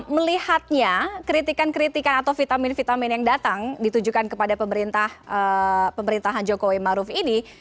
melihatnya kritikan kritikan atau vitamin vitamin yang datang ditujukan kepada pemerintahan jokowi maruf ini